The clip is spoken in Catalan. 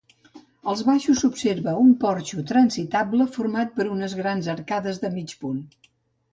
Als baixos s'observa un porxo transitable format per unes grans arcades de mig punt.